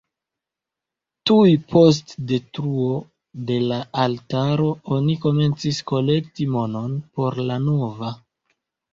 Tuj post detruo de la altaro oni komencis kolekti monon por la nova.